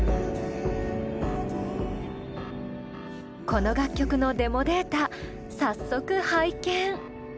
この楽曲のデモデータ早速拝見。